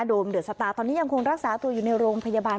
โดมเดิร์ดสัปดาห์ตอนนี้ยังคงรักษาตัวอยู่ในโรงพยาบาล